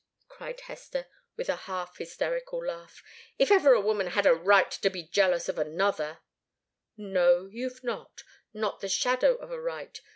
cried Hester, with a half hysterical laugh. "If ever a woman had a right to be jealous of another " "No, you've not not the shadow of a right.